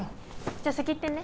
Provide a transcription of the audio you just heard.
じゃあ先行ってるね